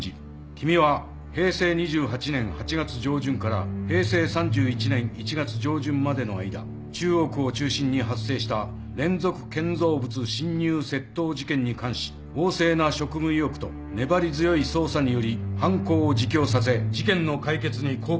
君は平成２８年８月上旬から平成３１年１月上旬までの間中央区を中心に発生した連続建造物侵入窃盗事件に関し旺盛な職務意欲と粘り強い捜査により犯行を自供させ事件の解決に貢献した。